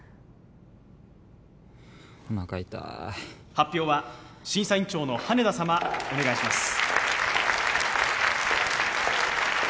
おなか痛い・発表は審査員長の羽田様お願いします